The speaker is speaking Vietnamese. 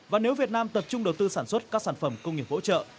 và nếu việt nam tập trung đầu tư sản xuất các sản phẩm công nghiệp hỗ trợ